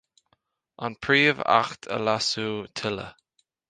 An Príomh-Acht a leasú tuilleadh.